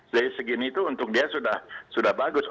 jadi segini itu untuk dia sudah bagus